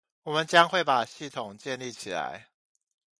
我們將會把系統建立起來